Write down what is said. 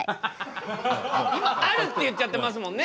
「ある」って言っちゃってますもんね。